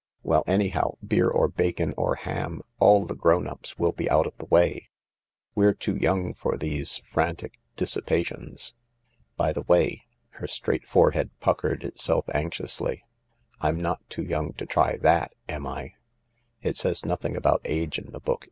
" Well, anyhow, beer or bacon or ham, all the grown ups will be out of the way. We're too young for these frantic dissi pations. By the way"— her straight forehead puckered itself anxiously—" I'm not too young to try that, am I ? It says nothing about age in the book.